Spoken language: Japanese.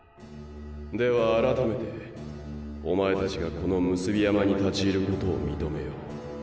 ・では改めておまえ達がこの産霊山に立ち入ることを認めよう。